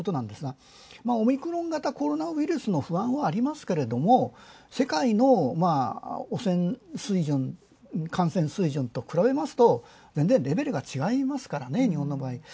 オミクロン型コロナウイルスの不安はありますが、世界の感染水準と比べますと全然レベルが違いますからね日本の場合。